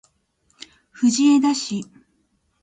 藤枝市